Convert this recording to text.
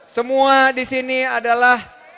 semua disini adalah